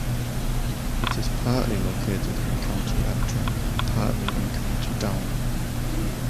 It is partly located in County Antrim and partly in County Down.